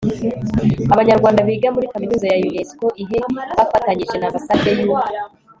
Abanyarwanda biga muri kaminuza ya UNESCO IHE bafatanyije na Ambasade y u